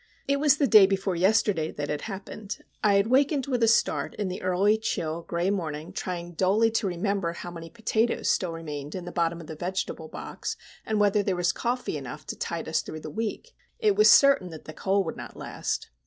It was day before yesterday that it happened. I had wakened with a start in the early, chill, grey morning, trying dully to remember how many potatoes still remained in the bottom of the vegetable box, and whether there was coffee enough to tide us through the week. It was certain that the coal would not last.